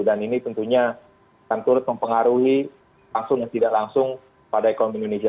ini tentunya akan turut mempengaruhi langsung dan tidak langsung pada ekonomi indonesia